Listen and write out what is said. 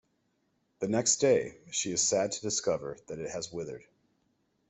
The next day, she is sad to discover that it has withered.